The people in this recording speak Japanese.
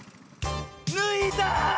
ぬいだ！